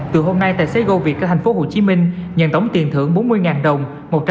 từ hôm nay tài xế goviet ở tp hcm nhận tổng tiền thưởng bốn mươi đồng